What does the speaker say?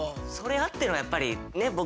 それあってのやっぱりね